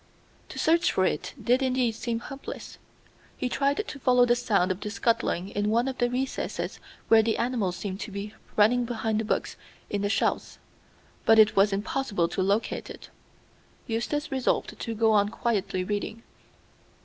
To search for it did indeed seem hopeless. He tried to follow the sound of the scuttling in one of the recesses where the animal seemed to be running behind the books in the shelves, but it was impossible to locate it. Eustace resolved to go on quietly reading.